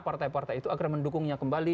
partai partai itu agar mendukungnya kembali